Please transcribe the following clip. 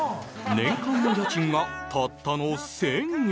年間の家賃がたったの１０００円。